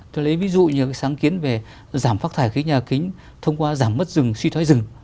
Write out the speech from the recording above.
tôi lấy ví dụ như sáng kiến về giảm phát thải khí nhà kính thông qua giảm mất rừng suy thoái rừng